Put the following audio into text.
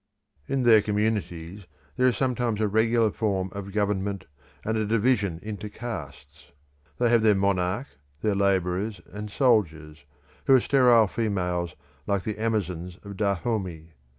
In their communities there is sometimes a regular form of government and a division into castes. They have their monarch, their labourers, and soldiers, who are sterile females like the Amazons of Dahomey.